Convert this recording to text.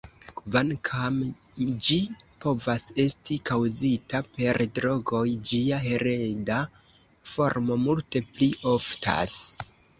Kvankam ĝi povas esti kaŭzita per drogoj, ĝia hereda formo multe pli oftas.